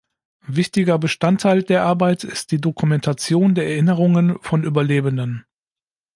Wichtiger Bestandteil der Arbeit ist die Dokumentation der Erinnerungen von Überlebenden.